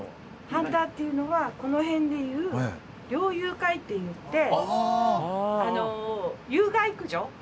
ハンターっていうのはこの辺でいう猟友会っていってあの有害駆除。